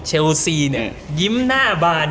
เชลสียิ้มหน้าบ้าน